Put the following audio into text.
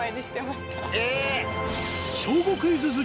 え！